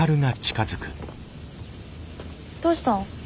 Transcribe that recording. どうしたん？